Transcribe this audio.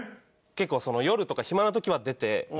結構その夜とか暇な時は出て。